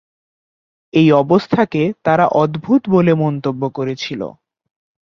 এই অবস্থাকে তারা অদ্ভুত বলে মন্তব্য করেছিল।